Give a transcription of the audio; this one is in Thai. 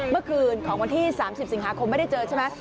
เมื่อคืนของวันที่๓๐สิงหาคมไม่ได้เจอใช่ไหม